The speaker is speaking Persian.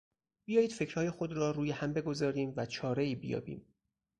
بیایید فکرهای خود را روی هم بگذاریم و چارهای بیابیم.